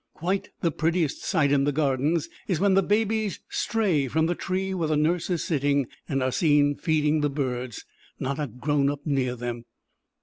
Quite the prettiest sight in the Gardens is when the babies stray from the tree where the nurse is sitting and are seen feeding the birds, not a grownup near them.